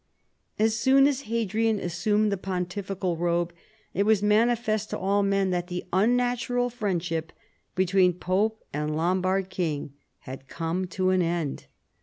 As soon as Hadrian assumed the pontifical robe it was manifest to all men that the unnatural friendship between pope and Lombard king had come to an end.